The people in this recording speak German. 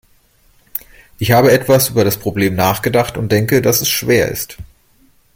Ich habe etwas über das Problem nachgedacht und denke, dass es schwer ist.